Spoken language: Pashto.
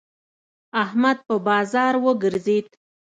احمد په بازار وګرځېد.